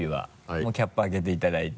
もうキャップ開けていただいて。